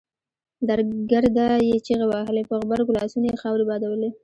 درګرده يې چيغې وهلې په غبرګو لاسونو يې خاورې بادولې.